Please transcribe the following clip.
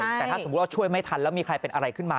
แต่ถ้าสมมุติว่าช่วยไม่ทันแล้วมีใครเป็นอะไรขึ้นมา